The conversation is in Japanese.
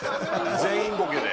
全員ボケで。